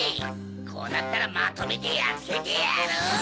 こうなったらまとめてやっつけてやる！